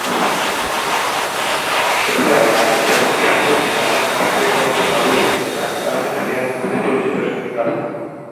এছাড়াও, ডানহাতে ব্যাটিংয়ের পাশাপাশি ডানহাতে অফ ব্রেক বোলিংয়ে পারদর্শী ছিলেন শাকিল আহমেদ জুনিয়র নামে পরিচিত শাকিল আহমেদ।